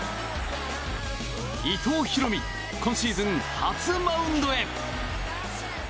伊藤大海今シーズン初マウンドへ！